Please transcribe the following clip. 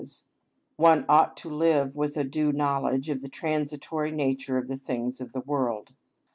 134), that is, one ought to live with a due knowledge of the transitory nature of the things of the world.